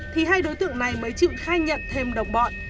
thì hai đối tượng này mới chịu khai nhận thêm đồng bọn